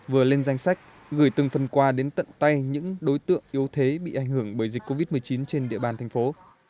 vừa lên danh sách gửi từng phần quà đến tận tay những đối tượng yếu thế bị ảnh hưởng bởi dịch covid một mươi chín trên địa bàn thành phố